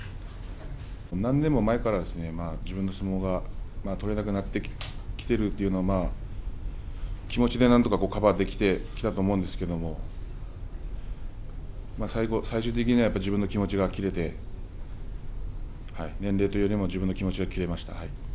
何年も前から自分の相撲が取れなくなってきているというのを気持ちでなんとか市カバーしてきたと思うんですけれども最終的には自分の気持ちが切れて年齢というよりも自分の気持ちが切れました。